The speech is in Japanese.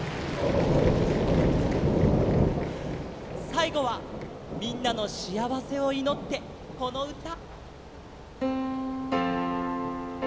さいごはみんなのしあわせをいのってこのうた！